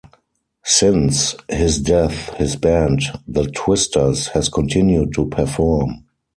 Since his death, his band, The Twisters, has continued to perform.